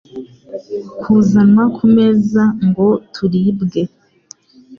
kuzanwa ku meza ngo turibwe.